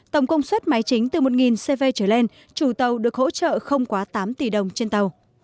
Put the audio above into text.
tổng công suất máy chính từ một cv trở lên chủ tàu được hỗ trợ không quá tám tỷ đồng trên tàu